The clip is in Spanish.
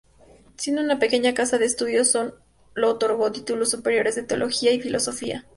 Siendo una pequeña casa de estudios, sólo otorgó títulos superiores en teología y filosofía.